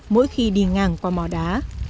mỗi khi đi ngang qua mỏ đá